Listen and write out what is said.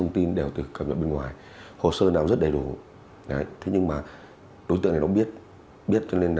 truy nã đặc biệt